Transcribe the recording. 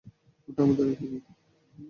ওটা আমাদেরই কুকুর!